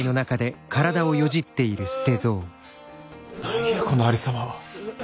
何やこのありさまは。